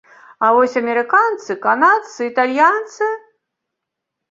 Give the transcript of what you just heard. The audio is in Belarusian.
А вось амерыканцы, канадцы, італьянцы?